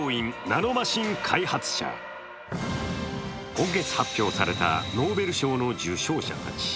今月発表されたノーベル賞の受賞者たち。